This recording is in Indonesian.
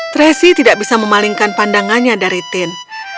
tracy tidak bisa memalingkan pandangannya dari tin